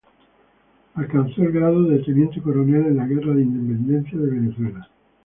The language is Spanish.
Alcanzó el grado de teniente coronel en la Guerra de Independencia de Venezuela.